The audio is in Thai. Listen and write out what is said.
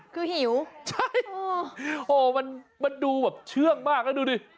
คือหิวใช่โหมันดูแบบเชื่องมากแล้วดูดิ